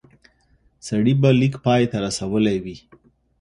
سړی به لیک پای ته رسولی وي.